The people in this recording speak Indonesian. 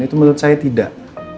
itu menurut saya tidak